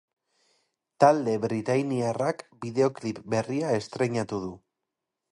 Talde britainiarrak bideoklip berria estreinatu du.